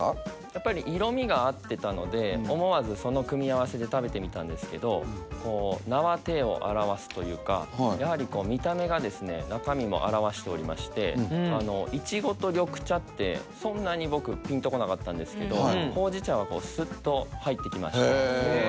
やっぱり色みが合ってたので思わずその組み合わせで食べてみたんですけど名は体を表すというかやはりこう見た目が中身も表しておりましていちごと緑茶ってそんなに僕ピンとこなかったんですけどほうじ茶はスッと入ってきましたへえ